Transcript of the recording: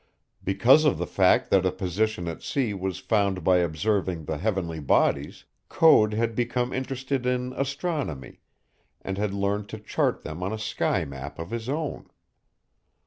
Because of the fact that a position at sea was found by observing the heavenly bodies, Code had become interested in astronomy, and had learned to chart them on a sky map of his own.